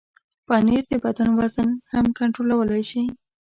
پنېر د بدن وزن هم کنټرولولی شي.